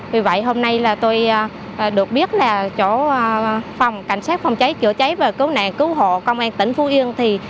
vì vậy hôm nay là tôi được biết là chỗ phòng cảnh sát phòng cháy chữa cháy và cứu nạn cứu hộ công an tỉnh phú yên